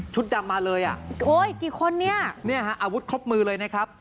ดำมาเลยอ่ะโอ้ยกี่คนเนี่ยเนี่ยฮะอาวุธครบมือเลยนะครับ